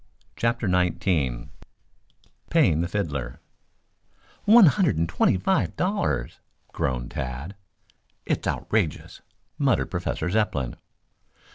CHAPTER XIX PAYING THE FIDDLER "One hundred and twenty five dollars!" groaned Tad. "It's outrageous," muttered Professor Zepplin.